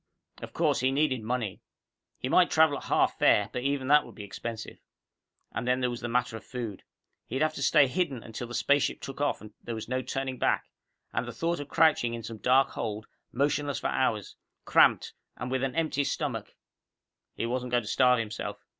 Of course, he needed money. He might travel at half fare, but even that would be expensive. And then there was the matter of food. He'd have to stay hidden until the spaceship took off and there was no turning back, and at the thought of crouching in some dark hold, motionless for hours, cramped, and with an empty stomach He wasn't going to starve himself.